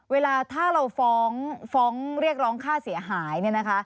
เวลาถ้าเราฟ้องเรียกร้องค่าเสียหาย